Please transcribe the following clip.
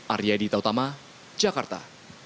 arya ditautama jakarta